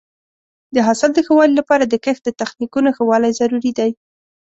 د حاصل د ښه والي لپاره د کښت د تخنیکونو ښه والی ضروري دی.